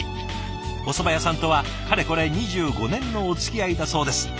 おそば屋さんとはかれこれ２５年のおつきあいだそうです。